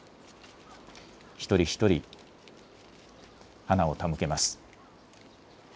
一人一人、花を手向けます。